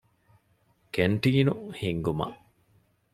ކެންޓީނު ހިންގުމަށް